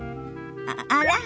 あら？